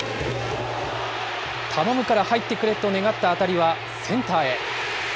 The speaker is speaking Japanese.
頼むから入ってくれと願った当たりはセンターへ。